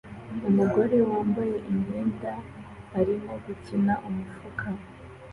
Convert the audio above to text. Umugore wambaye imyenda arimo gukina umufuka